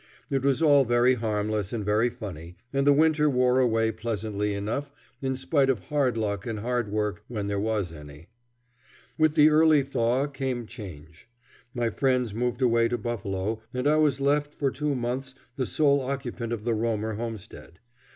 It was all very harmless and very funny, and the winter wore away pleasantly enough in spite of hard luck and hard work when there was any. With the early thaw came change. My friends moved away to Buffalo, and I was left for two months the sole occupant of the Romer homestead.